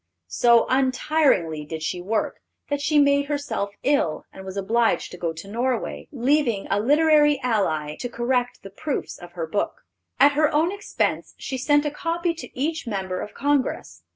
So untiringly did she work that she made herself ill, and was obliged to go to Norway, leaving a literary ally to correct the proofs of her book. At her own expense, she sent a copy to each member of Congress.